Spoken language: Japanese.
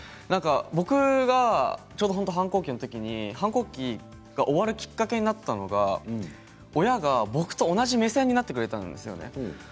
僕が、ちょうど反抗期のときに反抗期が終わるきっかけになったのが親が僕と同じ目線になってくれたんですよね。